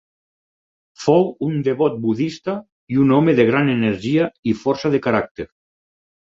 Fou un devot budista i un home de gran energia i força de caràcter.